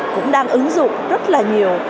cũng đang ứng dụng rất là nhiều